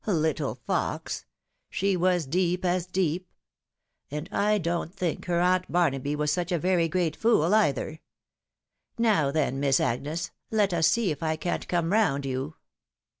Little fox ! she was deep as deep ; and I don't think her Aunt Barnaby was such a very great fool either. Now then, Miss Agnes, let us see if I can't come round you.